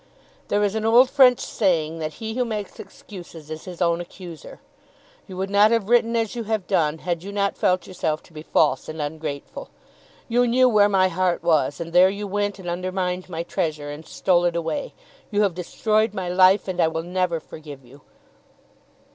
There is an old French saying that he who makes excuses is his own accuser. You would not have written as you have done, had you not felt yourself to be false and ungrateful. You knew where my heart was, and there you went and undermined my treasure, and stole it away. You have destroyed my life, and I will never forgive you.